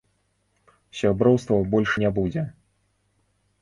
Сяброўства больш не будзе.